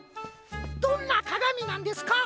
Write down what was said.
どんなかがみなんですか？